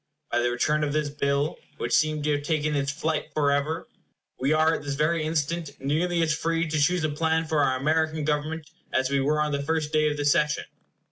By the return of this bill, which seemed to have taken its flight forever, we are at this very instant nearly as free to choose a plan for our American Government as we were on the first day of the session.